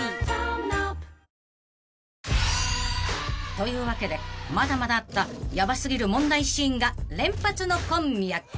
［というわけでまだまだあったヤバ過ぎる問題シーンが連発の今夜］